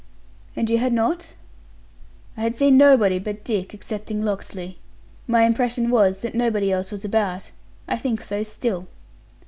"And you had not?" "I had seen nobody but Dick, excepting Locksley. My impression was, that nobody else was about; I think so still."